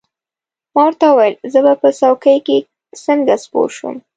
ما ورته وویل: زه به په څوکۍ کې څنګه سپور شم؟